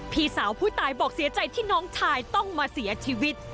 พี่สาวผู้ตายบอกเสียใจที่น้องชายต้องมาเสียชีวิต